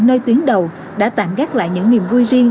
nơi tuyến đầu đã tạm gác lại những niềm vui riêng